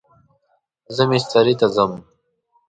زه مستری ته ځم